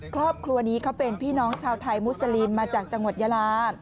ครอบครัวนี้เขาเป็นพี่น้องชาวไทยมุสลิมมาจากจังหวัดยาลา